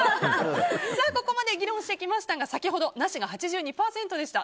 ここまで議論してきましたが先ほど、なしが８２％でした。